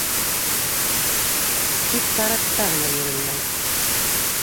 Тик парадта ғына йөрөлмәй.